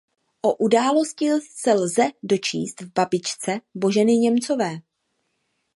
O události se lze dočíst v "Babičce" Boženy Němcové.